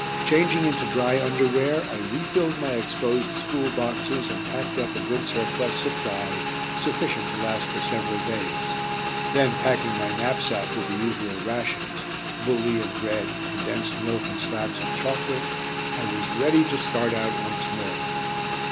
Changing into dry underwear, I refilled my exposed spool boxes and packed up a good surplus supply, sufficient to last for several days, then packing my knapsack with the usual rations, bully and bread, condensed milk and slabs of chocolate, I was ready to start out once more.